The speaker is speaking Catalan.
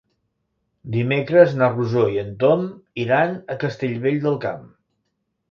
Dimecres na Rosó i en Tom iran a Castellvell del Camp.